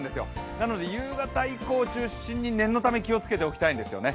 なので夕方以降を中心に念のため気をつけておきたいんですよね。